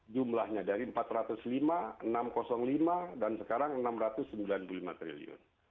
jumlahnya dari rp empat ratus lima enam ratus lima dan sekarang rp enam ratus sembilan puluh lima triliun